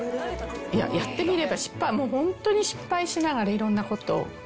やってみれば、本当に失敗しながら、いろんなことを。